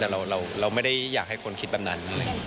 แต่เราไม่ได้อยากให้คนคิดแบบนั้น